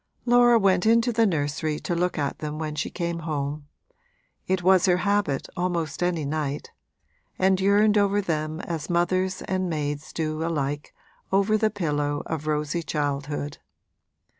Laura went into the nursery to look at them when she came home it was her habit almost any night and yearned over them as mothers and maids do alike over the pillow of rosy childhood.